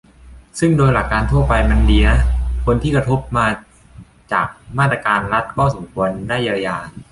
ซึ่งโดยหลักการทั่วไปมันดีนะ คนที่กระทบจากมาตรการรัฐ ก็สมควรได้เยียวยา